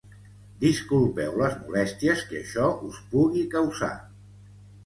Disculpeu les molèsties que això us pugui causar.